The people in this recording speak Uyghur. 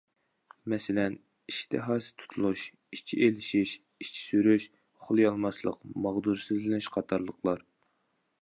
مەسىلەن: ئىشتىھاسى تۇتۇلۇش، ئىچى ئېلىشىش، ئىچى سۈرۈش، ئۇخلىيالماسلىق، ماغدۇرسىزلىنىش قاتارلىقلار.